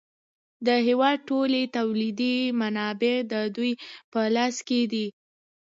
د هېواد ټولې تولیدي منابع د دوی په لاس کې دي